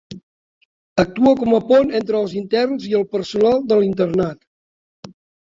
Actua com a pont entre els interns i el personal de l'internat.